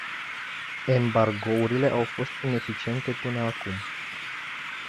Embargourile au fost ineficiente până acum.